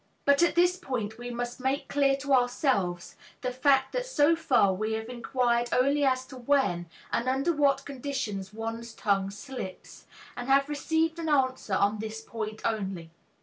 But at this point, we must make clear to ourselves the fact that so far we have inquired only as to when and under what conditions one's tongue slips, and have received an answer on this point only.